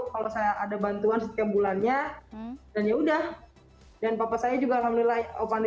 kalau saya ada bantuan setiap bulannya dan yaudah dan papa saya juga alhamdulillah